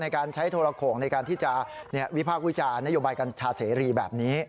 การใช้โทรโขงในการที่จะวิพากษ์วิจารณ์นโยบายกัญชาเสรีแบบนี้